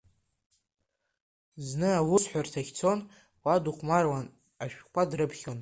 Зны аусҳәарҭахь дцон, уа дыхәмаруан, ашәҟәқәа дрыԥхьон.